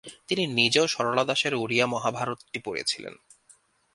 তিনি নিজে ও সরলা দাসের ওড়িয়া মহাভারতটি পড়েছিলেন।